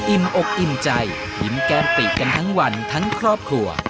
อิ่มอกอิ่มใจหิมแก้มปลีกกันทั้งวันทั้งครอบครัว